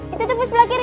itu itu belakang kiri